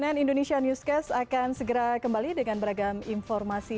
cnn indonesia newscast akan segera kembali dengan beragam informasi